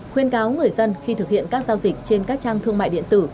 khuyên cáo người dân khi thực hiện các giao dịch trên các trang thương mại điện tử